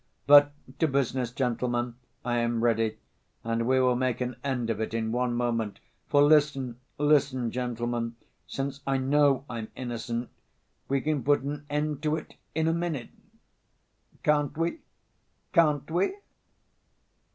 But to business, gentlemen, I am ready, and we will make an end of it in one moment; for, listen, listen, gentlemen! Since I know I'm innocent, we can put an end to it in a minute. Can't we? Can't we?"